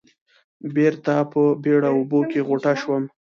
بېرته په بېړه اوبو کې غوټه شوم.